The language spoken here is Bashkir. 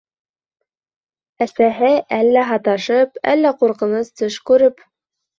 Әсәһе әллә һаташып, әллә ҡурҡыныс төш күреп